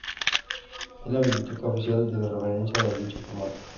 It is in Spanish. Es la biblioteca oficial de referencia de dicho formato.